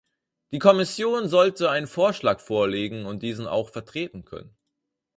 Die Kommission sollte einen Vorschlag vorlegen und diesen auch vertreten können.